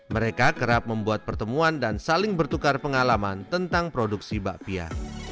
mereka kerap membuat pertemuan dan saling bertukar pengalaman tentang produksi bakpia